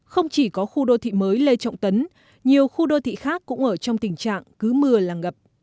không chỉ có khu đô thị mới lê trọng tấn nhiều khu đô thị khác cũng ở trong tình trạng cứ mưa là ngập